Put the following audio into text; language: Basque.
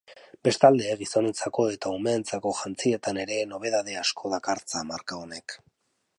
Bestalde, gizonentzako eta umeentzako jantzietan ere nobedade asko dakartza marka honek.